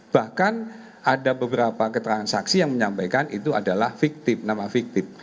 bahkan ada beberapa keterangan saksi yang menyampaikan itu adalah fiktif nama fiktif